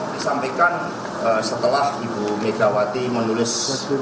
disampaikan setelah ibu megawati menulis seluruh pendapatnya di mk